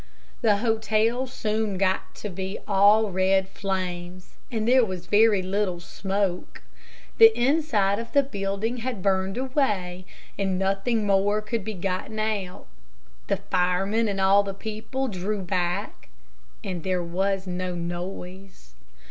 The hotel soon got to be all red flames, and there was very little smoke. The inside of the building had burned away, and nothing more could be gotten out. The firemen and all the people drew back, and there was no noise.